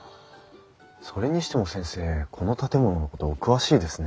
それにしても先生この建物のことお詳しいですね？